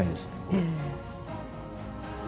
ええ。